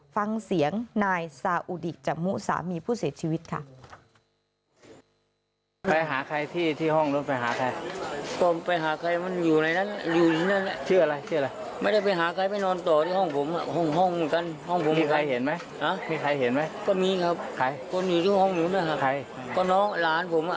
ฟังเสียงนายซาอุดิตจมุสามีผู้เสียชีวิตค่ะ